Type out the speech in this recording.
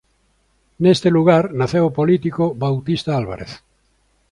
Neste lugar naceu o político Bautista Álvarez.